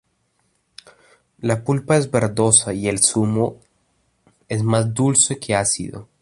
La pulpa es verdosa y el zumo es más dulce que ácido.